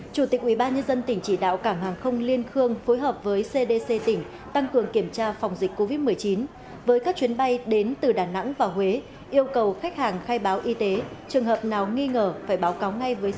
chủ tịch ubnd tỉnh chỉ đạo cảng hàng không liên khương phối hợp với cdc tỉnh tăng cường kiểm tra phòng dịch covid một mươi chín với các chuyến bay đến từ đà nẵng và huế yêu cầu khách hàng khai báo y tế trường hợp nào nghi ngờ phải báo cáo ngay với sở